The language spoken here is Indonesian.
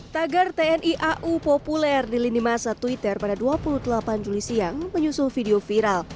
tagar tni au populer di lini masa twitter pada dua puluh delapan juli siang menyusul video viral